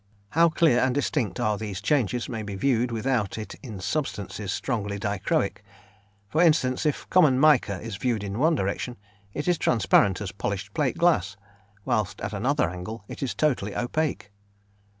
How clear and distinct are these changes may be viewed without it in substances strongly dichroic; for instance, if common mica is viewed in one direction, it is transparent as polished plate glass, whilst at another angle, it is totally opaque.